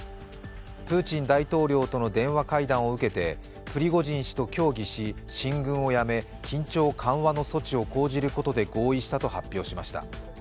プーチン大統領との電話会談を受けてプリゴジン氏と協議し、進軍をやめ緊張緩和の措置を講じることで合意したと発表しました。